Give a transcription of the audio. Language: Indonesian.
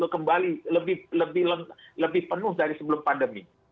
kembali lebih penuh dari sebelum pandemi